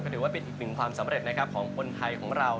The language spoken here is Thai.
ถือว่าเป็นอีกหนึ่งความสำเร็จนะครับของคนไทยของเรา